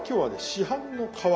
市販の皮。